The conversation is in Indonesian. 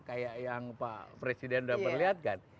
kayak yang pak presiden sudah perlihatkan